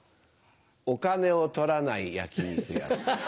お金を取らない焼き肉屋さん。